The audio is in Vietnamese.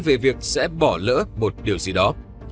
về việc sẽ bỏ lỡ một điều gì đó